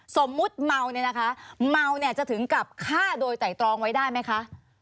สมมุติเมาเนี่ยนะคะเมาเนี่ยจะถึงกับฆ่าโดยไตรตรองไว้ได้ไหมคะ